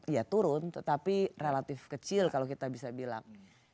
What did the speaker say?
ya turun tetapi relatif kecil kalau kita bisa bilang